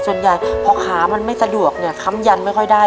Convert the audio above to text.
ส่วนใหญ่พอขามันไม่สะดวกเนี่ยค้ำยันไม่ค่อยได้